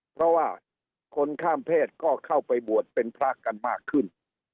เพราะว่าคนข้ามเพศก็เข้าไปบวชเป็นพระกันมากขึ้น